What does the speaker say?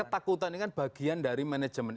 ketakutan ini kan bagian dari manajemen